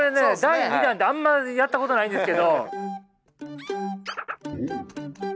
第２弾ってあんまやったことないんですけど！